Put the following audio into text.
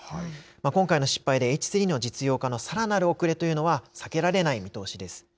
今回の失敗でＨ３の実用化のさらなる遅れというのは避けられない見通しです。